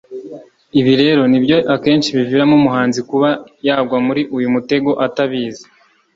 ibi rero ni byo akenshi biviramo umuhanzi kuba yagwa muri uyu mutego atabizi."